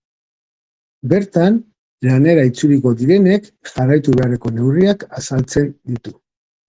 Bertan, lanera itzuliko direnek jarraitu beharreko neurriak azaltzen ditu.